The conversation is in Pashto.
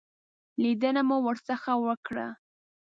لیدنه مو ورڅخه وکړه.